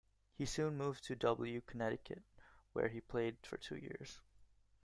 He soon moved to W Connection where he played for two years.